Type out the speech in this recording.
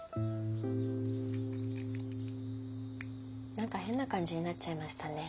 何か変な感じになっちゃいましたね。